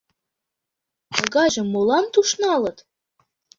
— Тыгайжым молан туш налыт?